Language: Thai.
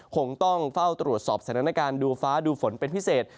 คงต้องเฝ้าตรวจสอบสถานการณ์ดูฟ้าดูฝนเป็นพิเศษ